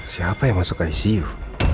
siapa yang masuk icu